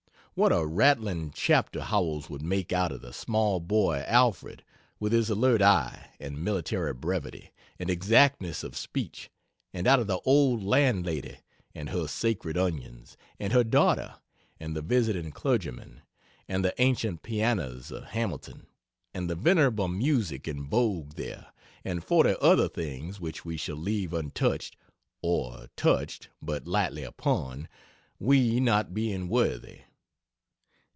"What a rattling chapter Howells would make out of the small boy Alfred, with his alert eye and military brevity and exactness of speech; and out of the old landlady; and her sacred onions; and her daughter; and the visiting clergyman; and the ancient pianos of Hamilton and the venerable music in vogue there and forty other things which we shall leave untouched or touched but lightly upon, we not being worthy."